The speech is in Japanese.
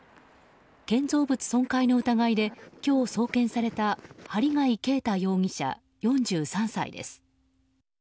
建造物損壊の疑いで今日送検された針谷啓太容疑者、４３歳です。